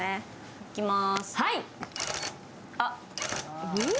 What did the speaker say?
いきまーす。